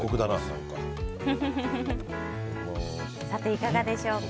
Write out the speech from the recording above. いかがでしょうか。